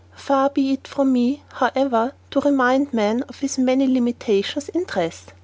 Far be it from me, however, to remind man of his many limitations in dress.